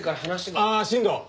ああ新藤。